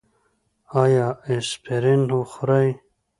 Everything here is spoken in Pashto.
ایا اسپرین خورئ؟